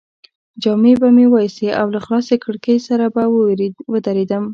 جامې به مې وایستې او له خلاصې کړکۍ سره به ودرېدم.